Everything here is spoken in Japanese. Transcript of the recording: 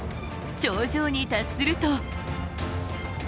頂上に達すると。